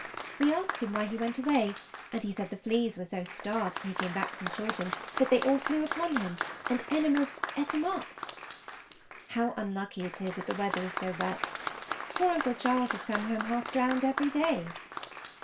We asked him why he went away, and he said the fleas were so starved when he came back from Chawton that they all flew upon him and eenermost eat him up. How unlucky it is that the weather is so wet! Poor Uncle Charles has come home half drowned every day.